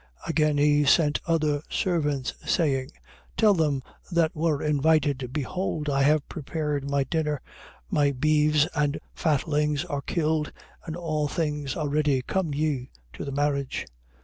22:4. Again he sent other servants, saying: Tell them that were invited, Behold, I have prepared my dinner: my beeves and fatlings are killed, and all things are ready. Come ye to the marriage.